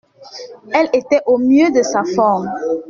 Elle était au mieux de sa forme.